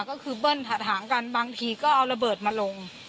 ก็คือเบิ้ลถัดหางกันบางทีก็เอาระเบิดมาลง